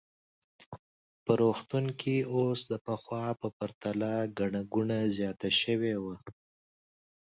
په روغتون کې اوس د پخوا په پرتله ګڼه ګوڼه زیاته شوې وه.